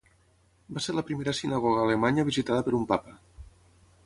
Va ser la primera sinagoga a Alemanya visitada per un Papa.